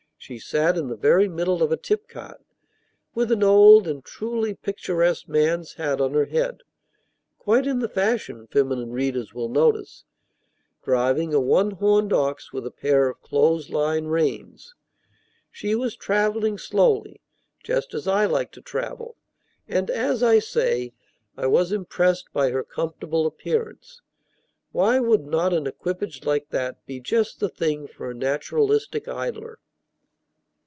She sat in the very middle of a tipcart, with an old and truly picturesque man's hat on her head (quite in the fashion, feminine readers will notice), driving a one horned ox with a pair of clothes line reins. She was traveling slowly, just as I like to travel; and, as I say, I was impressed by her comfortable appearance. Why would not an equipage like that be just the thing for a naturalistic idler?